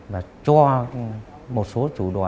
và cho một số chủ đò